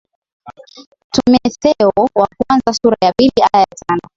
timotheo wa kwanza sura ya pili aya ya tano